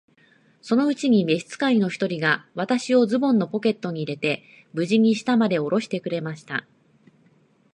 そのうちに召使の一人が、私をズボンのポケットに入れて、無事に下までおろしてくれました。